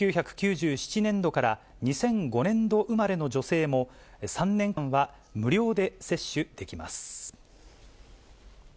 １９９７年度から２００５年度生まれの女性も、３年間は無料で接種できます。